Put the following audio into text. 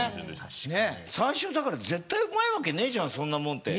最初だから絶対うまいわけねえじゃんそんなもんって。